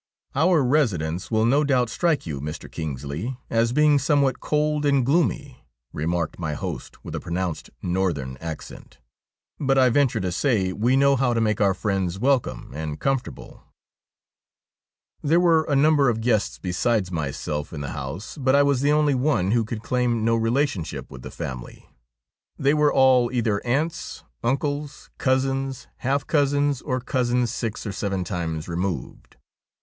' Our residence will no doubt strike you, Mr. Kingsley, as being somewhat cold and gloomy,' remarked my host with a pronounced northern accent, ' but I venture to say we know how to make our friends welcome and comfortable.' THE SPECTRE OF BARROCHAN 45 There were a number of guests besides myself in the house, but I was the only one who could claim no relationship with the family. They were all either aunts, uncles, cousins, half cousins, or cousins six or seven times removed.